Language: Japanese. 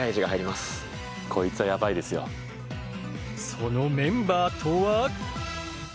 そのメンバーとは？